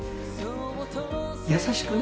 優しくね。